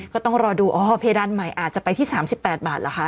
ก็ต้องรอดูอ๋อเพดานใหม่อาจจะไปที่๓๘บาทเหรอคะ